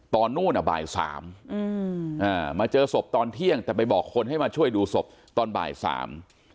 นู่นอ่ะบ่ายสามอืมอ่ามาเจอศพตอนเที่ยงแต่ไปบอกคนให้มาช่วยดูศพตอนบ่ายสาม